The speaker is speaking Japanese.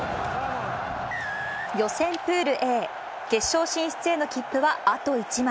予選プールＡ、決勝進出への切符はあと１枚。